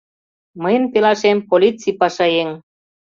— Мыйын пелашем полицийпашаеҥ.